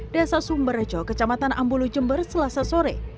desa sumberjo kecamatan ambulu jember selasa sore